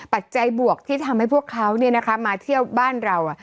ปัจจัยบวกที่ทำให้พวกเขามาเที่ยวบ้านเรา